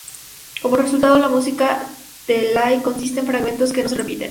Como resultado, la música del lay consiste en fragmentos que no se repiten.